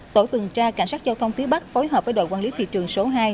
tổ tuần tra cảnh sát giao thông phía bắc phối hợp với đội quản lý thị trường số hai